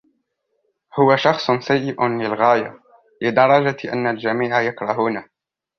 هو شخص سيئ للغاية لدرجة أن الجميع يكرهونه.